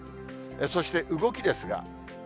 そして、動きですが。